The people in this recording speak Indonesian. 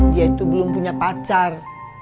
dia itu belum punya pacar